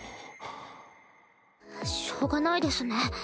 しょうがないですね。